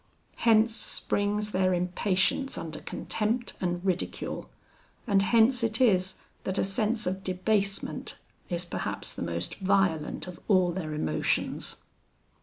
Hence springs their impatience under contempt and ridicule; and hence it is that a sense of debasement is perhaps the most violent of all their emotions.